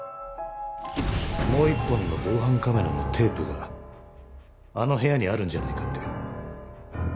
もう１本の防犯カメラのテープがあの部屋にあるんじゃないかって。